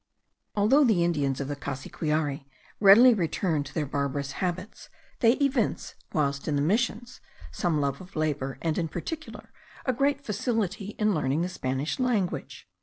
Although the Indians of the Cassiquiare readily return to their barbarous habits, they evince, whilst in the missions, intelligence, some love of labour, and, in particular, a great facility in learning the Spanish language.